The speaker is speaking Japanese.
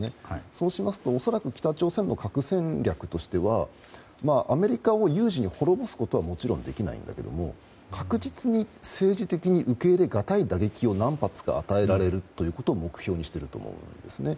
そうしますと、おそらく北朝鮮の核戦略としてはアメリカを有事に滅ぼすことはもちろんできないんだけど確実に、政治的に受け入れがたい打撃を何発か与えられるということを目標にしていると思うんですね。